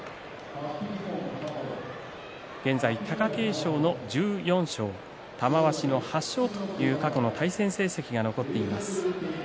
現在、貴景勝の１４勝玉鷲の８勝という過去の対戦成績が残っています。